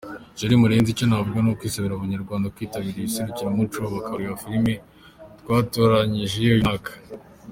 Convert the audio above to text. Jolie Murenzi: Icyo navuga nakwisabira Abanyarwanda kwitabira iri serukiramuco bakareba amafilimi twatoranyije uyu mwaka.